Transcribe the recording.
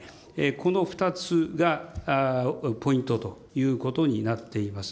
この２つがポイントということになっています。